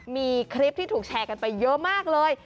มีคลิปที่ถูกแชร์กันไปเยอะมากเลย